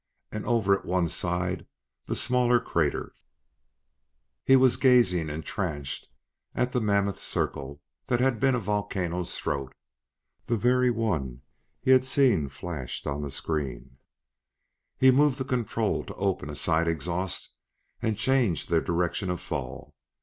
And over at one side the smaller crater "He was gazing entranced at the mammoth circle that had been a volcano's throat the very one he had seen flashed on the screen. He moved the control to open a side exhaust and change their direction of fall.